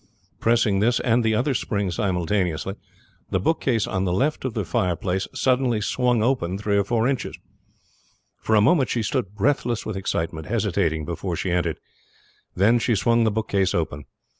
Pressing this and the other spring simultaneously, the bookcase on the left of the fireplace suddenly swung open three or four inches. For a moment she stood breathless with excitement, hesitating before she entered; then she swung the bookcase open.